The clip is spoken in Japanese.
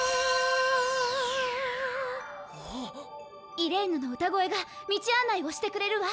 イレーヌの歌声が道案内をしてくれるわ。